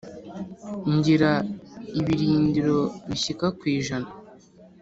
ngira ibirindiro bishyika ku ijana